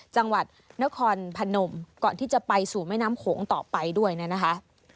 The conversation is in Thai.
จังหวัดนครพนมก่อนที่จะไปสู่แม่น้ำโขงต่อไปด้วยนะคะ